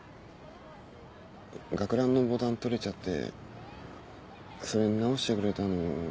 学ランのボタン取れちゃってそれ直してくれたの俺